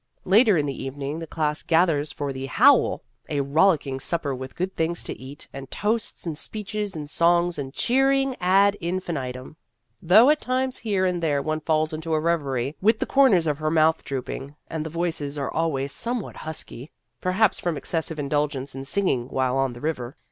Later in the evening the class gathers for the "Howl" a rollick ing supper with good things to eat, and toasts and speeches and songs and cheering ad infinitum, though at times here and there one falls into a reverie with the cor ners of her mouth drooping, and the voices are always somewhat husky perhaps from excessive indulgence in singing while on the river.